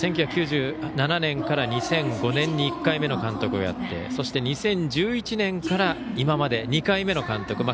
１９９７年から２００５年に１回目の監督をやって２０１１年から今まで２回目の監督。